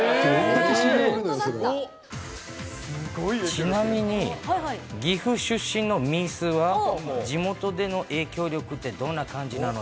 ちなみに、岐阜出身のみーすーは、地元での影響力ってどんな感じなのよ？